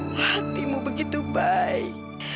hatimu begitu baik